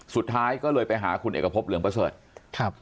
สุดท้ายก็เลยไปหาเอกรพเรืองประสาท